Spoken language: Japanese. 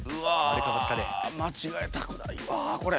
うわ間違えたくないわこれ。